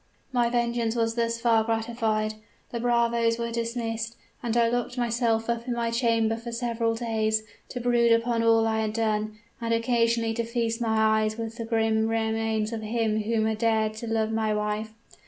"My vengeance was thus far gratified the bravos were dismissed, and I locked myself up in my chamber for several days, to brood upon all I had done, and occasionally to feast my eyes with the grim remains of him who had dared to love my wife.